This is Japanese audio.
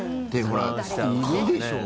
いるでしょ？